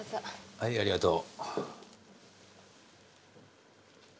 はいありがとう。